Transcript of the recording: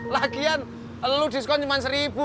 lagian lo diskon cuma seribu